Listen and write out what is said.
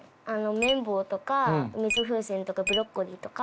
綿棒とか水風船とかブロッコリーとか。